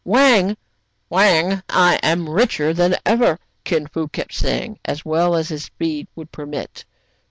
" Wang, Wang, I am richer than ever !'* Kin Fo kept saying, as well as his speed would permit.